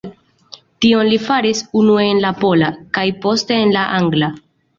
Tion li faris unue en la pola, kaj poste en la angla.